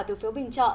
từ phiếu bình chọn